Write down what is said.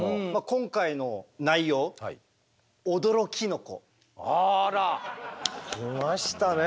今回の内容あら！来ましたね。